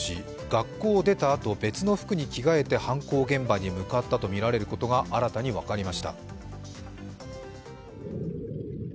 学校を出たあと、別の服に着替えて犯行現場に向かったとみられることが、新たに分かりました。